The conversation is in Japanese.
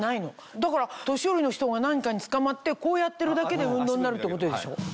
だから年寄りの人が何かにつかまってこうやってるだけで運動になるってことでしょ？